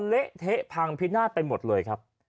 เละเทะพังพินาศไปหมดเลยครับ